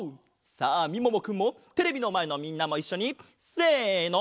さあみももくんもテレビのまえのみんなもいっしょにせの！